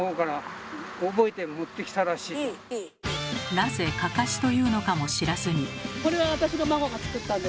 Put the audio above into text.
なぜ「かかし」というのかも知らずに。